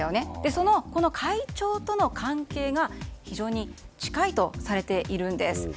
その会長との関係が非常に近いとされているんです。